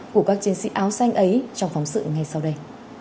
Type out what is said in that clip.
của các chiến sĩ áo xanh ấy trong phóng sự ngay sau đây